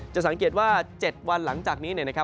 สังเกตว่า๗วันหลังจากนี้นะครับ